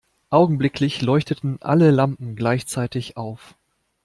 Augenblicklich leuchteten alle Lampen gleichzeitig auf.